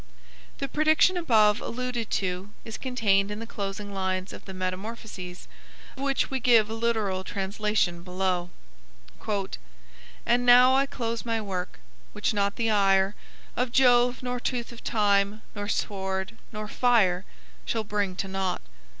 The prediction above alluded to is contained in the closing lines of the "Metamorphoses," of which we give a literal translation below: "And now I close my work, which not the ire Of Jove, nor tooth of time, nor sword, nor fire Shall bring to nought.